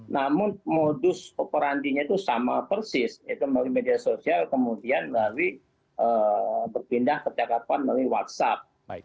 namun modus operandinya itu sama persis itu melalui media sosial kemudian melalui berpindah percakapan melalui whatsapp